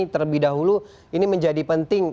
terlebih dahulu ini menjadi penting